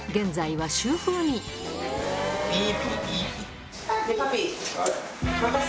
はい。